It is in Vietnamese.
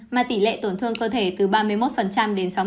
mà tỷ lệ tổn thương cơ thể từ ba mươi một đến sáu mươi